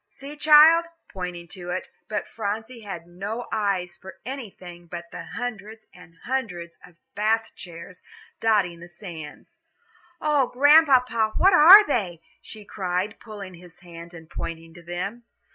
"See, child," pointing to it; but Phronsie had no eyes for anything but the hundreds and hundreds of Bath chairs dotting the sands. "Oh, Grandpapa, what are they?" she cried, pulling his hand and pointing to them.